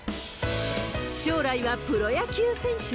将来はプロ野球選手？